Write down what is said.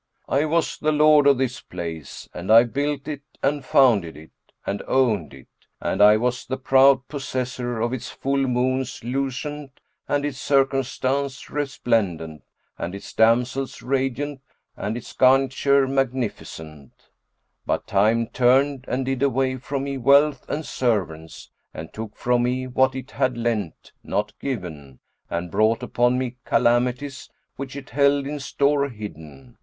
I was the lord of this place and I builded it and founded it and owned it; and I was the proud possessor of its full moons lucent and its circumstance resplendent and its damsels radiant and its garniture magnificent, but Time turned and did away from me wealth and servants and took from me what it had lent (not given); and brought upon me calamities which it held in store hidden.